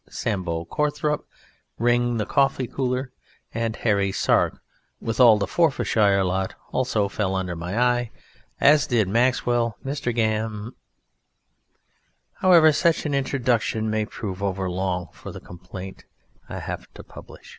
"Sambo" Courthorpe, Ring, the Coffee cooler, and Harry Sark, with all the Forfarshire lot, also fell under my eye, as did Maxwell, Mr. Gam However, such an introduction may prove overlong for the complaint I have to publish.